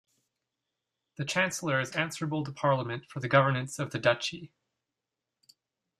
The Chancellor is answerable to Parliament for the governance of the Duchy.